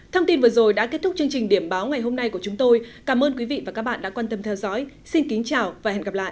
thông tin vừa rồi đã kết thúc chương trình điểm báo ngày hôm nay của chúng tôi cảm ơn quý vị và các bạn đã quan tâm theo dõi xin kính chào và hẹn gặp lại